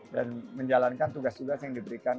dan menjalankan tugas tugas yang diberikan